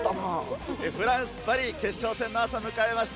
フランス・パリ決勝戦の朝を迎えました。